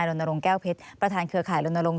รณรงค์แก้วเพชรประธานเครือข่ายรณรงค